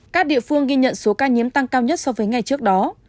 các địa phương ghi nhận số ca nhiễm tăng cao nhất so với ngày trước đó